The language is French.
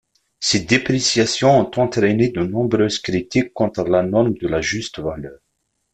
Ces dépréciations ont entraîné de nombreuses critiques contre la norme de la juste valeur.